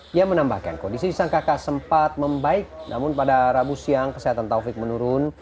dia menambahkan kondisi sang kakak sempat membaik namun pada rabu siang kesehatan taufik menurun